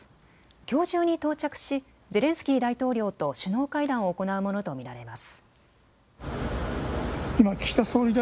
きょう中に到着しゼレンスキー大統領と首脳会談を行うものと見られます。